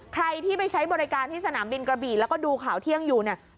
ใครที่ไปใช้บริการที่สนามบินกระบี่แล้วก็ดูข่าวเที่ยงอยู่เนี่ย